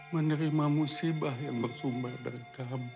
menerima musibah yang bersumbat dari kamu is